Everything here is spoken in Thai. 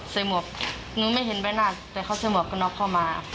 หมวกหนูไม่เห็นใบหน้าแต่เขาใส่หมวกกระน็อกเข้ามา